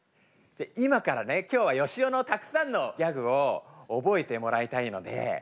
じゃあ今からね今日はよしおのたくさんのギャグを覚えてもらいたいので。